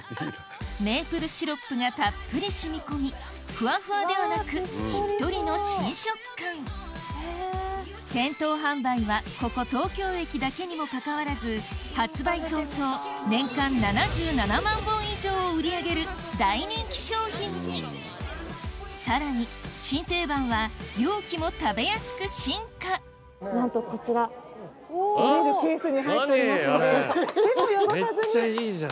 メープルシロップがたっぷり染み込みふわふわではなくしっとりの新食感店頭販売はここ東京駅だけにもかかわらず発売早々年間７７万本以上を売り上げる大人気商品にさらに新定番はなんとこちら。に入っておりますので。